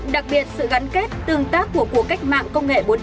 đặc biệt sự gắn kết tương tác của cuộc cách mạng công nghệ bốn